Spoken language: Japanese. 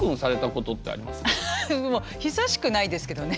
久しくないですけどね。